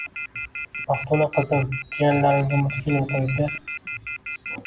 Maftuna, qizim, jiyanlaringga multfilm qo`yib ber